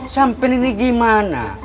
sampe ini gimana